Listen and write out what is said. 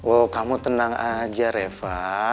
oh kamu tenang aja reva